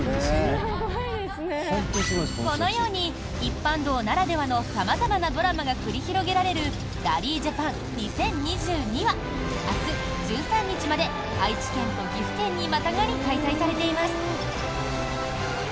このように一般道ならではの様々なドラマが繰り広げられるラリージャパン２０２２は明日１３日まで愛知県と岐阜県にまたがり開催されています。